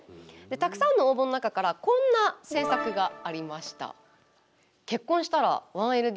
たくさんの応募の中からこんな政策がありました。